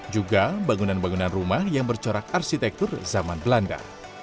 juga bangunan bangunan rumah yang bercorak arsitektur zaman belanda